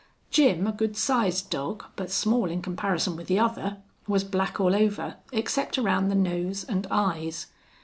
Jim, a good sized dog, but small in comparison with the other, was black all over, except around the nose and eyes.